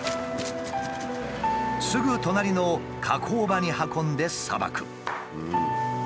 すぐ隣の加工場に運んでさばく。